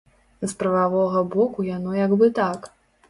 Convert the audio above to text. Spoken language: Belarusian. З прававога боку яно як бы так.